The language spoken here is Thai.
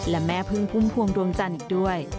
และแม่พึ่งพุ่มพวงดวงจันทร์อีกด้วย